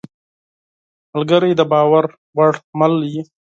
ملګری د باور وړ مل وي.